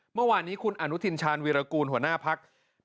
เมื่อวานนี้คุณอนุทินชาญวีรกูลหัวหน้าพัก